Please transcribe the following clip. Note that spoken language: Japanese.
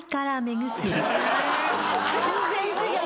全然違う。